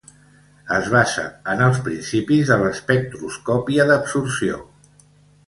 Es basa en els principis de l'espectroscòpia d'absorció.